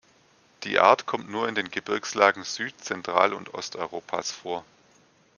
Die Art kommt nur in den Gebirgslagen Süd-, Zentral- und Osteuropas vor.